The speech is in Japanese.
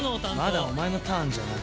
まだお前のターンじゃない。